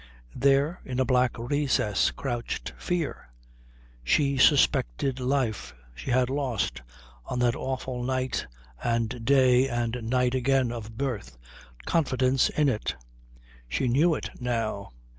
There, in a black recess, crouched fear. She suspected life. She had lost, on that awful night and day and night again of birth, confidence in it. She knew it now.